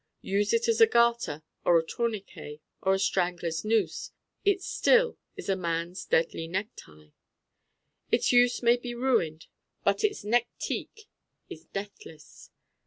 Use it as a garter or a tourniquet or a strangler's noose: it still is a man's deadly necktie. Its use may be ruined but its necktique is deathless.